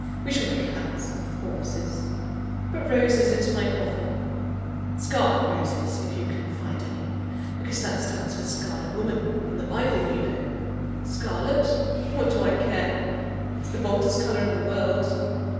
We shall make handsome corpses. Put roses into my coffin scarlet roses, if you can find any, because that stands for Scarlet Woman in the Bible, you know. Scarlet? What do I care! It's the boldest colour in the world.